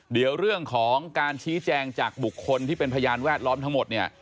เดี๋ยวเรื่องของการชี้แจงจากบุคคลที่เป็นพยานแวดล้อมทั้งหมดเนี่ย